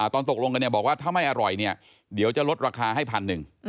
ตอนตกลงกันบอกว่าถ้าไม่อร่อยเดี๋ยวจะลดราคาให้๑๐๐๐บาท